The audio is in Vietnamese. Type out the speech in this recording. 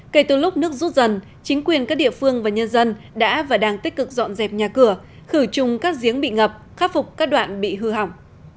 kể từ lúc nước rút dần chính quyền các địa phương và nhân dân đã và đang tích cực dọn dẹp nhà cửa khử trùng các giếng bị ngập khắc phục các đoạn bị hư hỏng